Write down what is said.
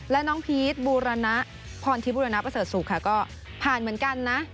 และน้องพีชบูรณะพรทิบุรณประเสริฐสุขค่ะก็ผ่านเหมือนกันนะ